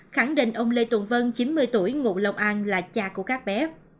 khẳng định ông lê tùng vân chín mươi tuổi ngụ long an là cha của các bé